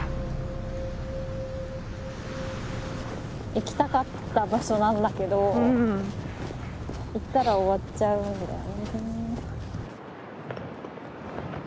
行きたかった場所なんだけど行ったら終わっちゃうんだね。